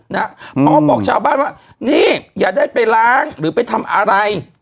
พร้อมบอกชาวบ้านว่านี่อย่าได้ไปล้างหรือไปทำอะไร